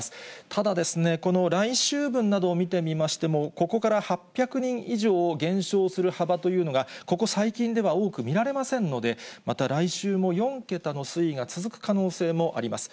ただ、この来週分などを見てみましても、ここから８００人以上減少する幅というのが、ここ最近では多く見られませんので、また来週も４桁の推移が続く可能性もあります。